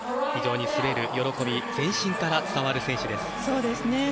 非常に滑る喜びが全身から伝わる選手ですね。